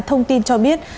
thông tin cho biết